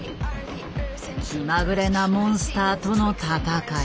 気まぐれなモンスターとの戦い。